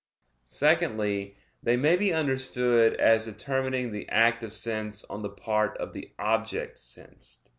Secondly, they may be understood as determining the act of sense on the part of the object sensed.